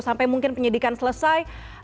sampai mungkin penyidikan selesai